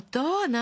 何？